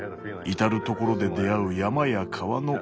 至る所で出会う山や川の美しさ。